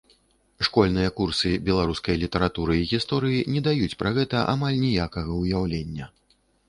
Школьныя курсы беларускай літаратуры і гісторыі не даюць пра гэта амаль ніякага ўяўлення.